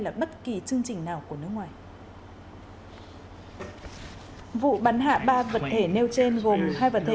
là bất kỳ chương trình nào của nước ngoài vụ bắn hạ ba vật thể nêu trên gồm hai vật thể